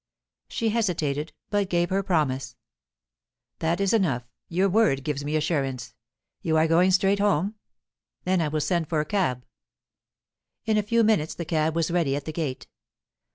She hesitated, but gave her promise. "That is enough; your word gives me assurance. You are going straight home? Then I will send for a cab." In a few minutes the cab was ready at the gate.